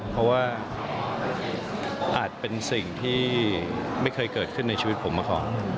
เพราะว่าอาจเป็นสิ่งที่ไม่เคยเกิดขึ้นในชีวิตผมมาก่อน